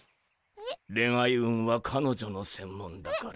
恋愛運は彼女の専門だから。